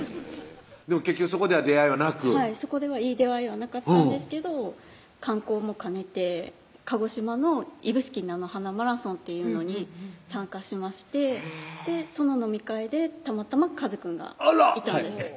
結局そこでは出会いはなくはいそこではいい出会いはなかったんですけど観光も兼ねて鹿児島のいぶすき菜の花マラソンというのに参加しましてその飲み会でたまたまかずくんがいたんですよ